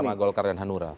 sama golkar dan hanura